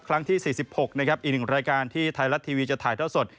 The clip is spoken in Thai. ครั้งที่๔๖อีกหนึ่งรายการที่ไทยลัดทีวีจะถ่ายเท่าสด